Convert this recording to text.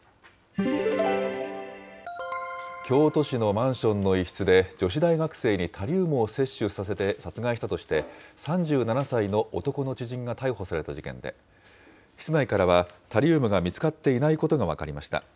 京都市のマンションの一室で、女子大学生にタリウムを摂取させて殺害したとして３７歳の男の知人が逮捕された事件で、室内からはタリウムが見つかっていないことが分かりました。